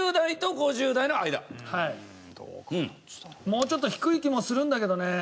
もうちょっと低い気もするんだけどね。